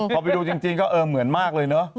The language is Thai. พอไปดูจริงก็เออเหมือนมากเลยเนอะ